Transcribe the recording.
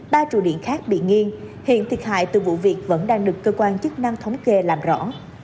ba trụ điện khác bị nghiêng hiện thiệt hại từ vụ việc vẫn đang được cơ quan chức năng thống kê làm rõ